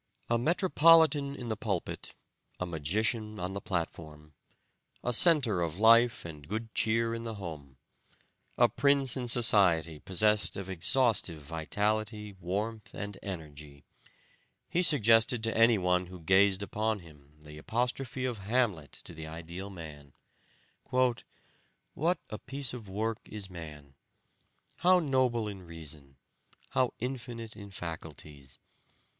A Metropolitan in the pulpit, a magician on the platform, a center of life and good cheer in the home, a prince in society possessed of exhaustive vitality, warmth and energy, he suggested to any one who gazed upon him the apostrophe of Hamlet to the ideal man: "What a piece of work is man! How noble in reason! How infinite in faculties!